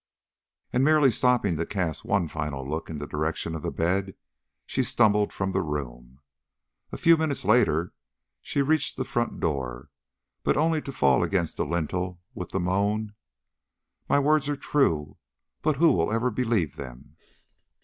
And merely stopping to cast one final look in the direction of the bed, she stumbled from the room. A few minutes later and she reached the front door; but only to fall against the lintel with the moan: "My words are true, but who will ever believe them?"